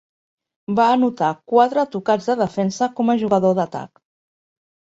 Va anotar quatre tocats de defensa com a jugador d'atac.